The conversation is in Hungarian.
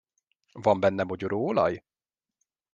Van benne mogyoróolaj?